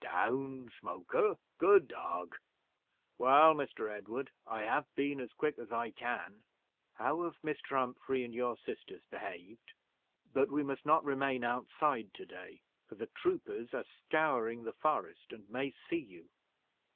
"Down, Smoker, good dog! Well, Mr. Edward, I have been as quick as I could. How have Mr. Humphrey and your sisters behaved? But we must not remain outside to day, for the troopers are scouring the forest, and may see you.